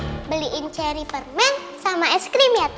asik beliin cherry permen sama es krim ya tante